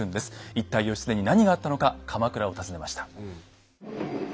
一体義経に何があったのか鎌倉を訪ねました。